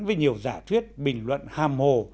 với nhiều giả thuyết bình luận hàm hồ